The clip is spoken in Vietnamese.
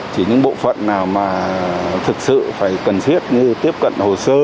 chỉ những bộ phận nào mà thực sự phải cần thiết như tiếp cận hồ sơ